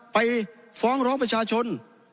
ไปฟ้องร้องประชาชน